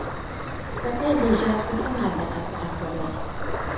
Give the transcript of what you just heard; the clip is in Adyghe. Xeta lejak'oxem ade'epı'exerer?